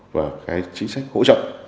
và cái chính sách hỗ trợ